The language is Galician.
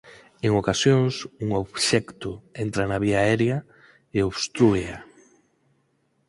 En ocasións, un obxecto entra na vía aérea e obstrúea.